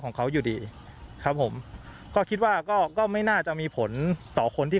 ของเขาอยู่ดีครับผมก็คิดว่าก็ก็ไม่น่าจะมีผลต่อคนที่